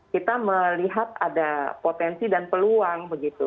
kita melihat ada potensi dan peluang begitu